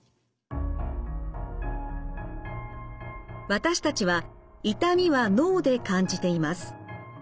私たちは痛みは脳で感じています。